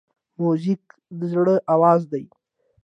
موزیک د زړه آواز دی.